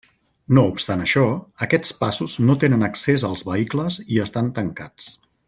No obstant això, aquests passos no tenen accés als vehicles i estan tancats.